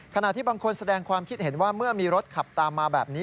ขณะที่บางคนแสดงความคิดเห็นว่าเมื่อมีรถขับตามมาแบบนี้